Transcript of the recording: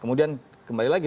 kemudian kembali lagi